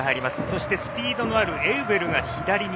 そして、スピードのあるエウベルが左。